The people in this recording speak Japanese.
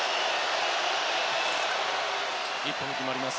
１本、決まります。